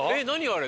あれ。